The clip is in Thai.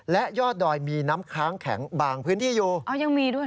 และยอดดอยมีน้ำค้างแข็งบางพื้นที่อยู่